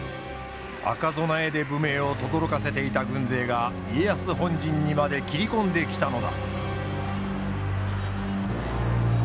赤備えで武名をとどろかせていた軍勢が家康本陣にまで切り込んできたのだ。